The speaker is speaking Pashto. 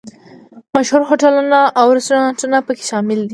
مشهور هوټلونه او رسټورانټونه په کې شامل دي.